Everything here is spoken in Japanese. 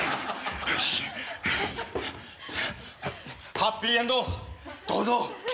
ハッピーエンドをどうぞ。